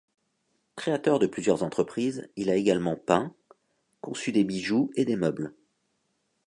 Créateur de plusieurs entreprises, il a également peint, conçu des bijoux et des meubles.